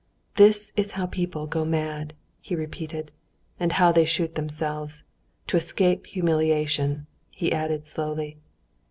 "This is how people go mad," he repeated, "and how they shoot themselves ... to escape humiliation," he added slowly.